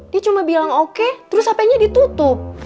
dia cuma bilang oke terus hpnya ditutup